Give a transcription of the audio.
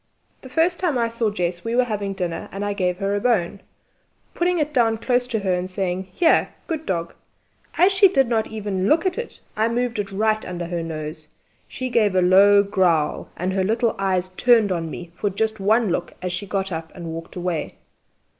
The first time I saw Jess we were having dinner, and I gave her a bone putting it down close to her and saying, "Here! good dog!" As she did not even look at it, I moved it right under her nose. She gave a low growl, and her little eyes turned on me for just one look as she got up and walked away.